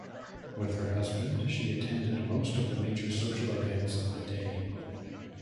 With her husband, she attended most of the major social events of the day.